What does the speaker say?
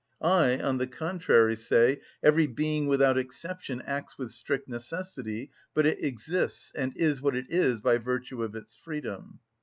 I, on the contrary, say: Every being without exception acts with strict necessity, but it exists and is what it is by virtue of its freedom.